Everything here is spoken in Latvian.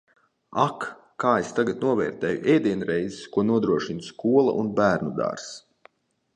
Ak, kā es tagad novērtēju ēdienreizes, ko nodrošina skola un bērnudārzs!